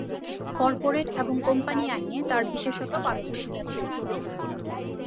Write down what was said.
Corporate এবং company আইনে তাঁর বিশেষত পারদর্শিতা ছিল।